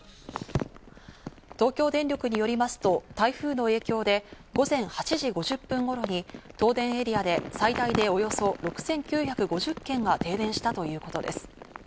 東京電力によりますと、台風の影響で午前８時５０分頃に東電エリアで最大でおよそ６９５０軒が停電したということです。